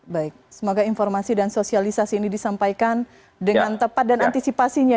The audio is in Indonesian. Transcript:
baik semoga informasi dan sosialisasi ini disampaikan dengan tepat dan antisipasinya